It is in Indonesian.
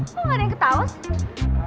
kok ada yang ketawa